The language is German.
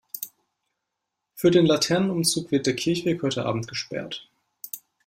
Für den Laternenumzug wird der Kirchweg heute Abend gesperrt.